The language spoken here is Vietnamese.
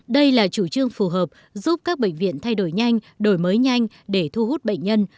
đây là chủ trương phù hợp giúp các bệnh viện thay đổi nhanh đổi mới nhanh để thu hút bệnh nhân